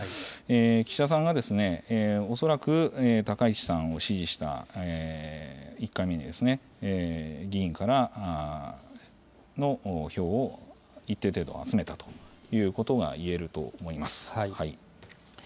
岸田さんは、恐らく高市さんを支持した１回目ですね、議員からの票を一定程度集めたということがいえると思います。